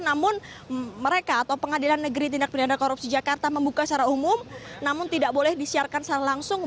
namun mereka atau pengadilan negeri tindak pindahan korupsi jakarta membuka secara umum namun tidak boleh disiarkan secara langsung